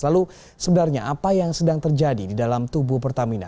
lalu sebenarnya apa yang sedang terjadi di dalam tubuh pertamina